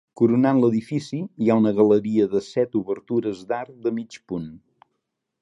Coronant l'edifici hi ha una galeria de set obertures d'arc de mig punt.